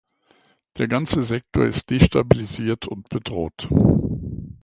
Der ganze Sektor ist destabilisiert und bedroht.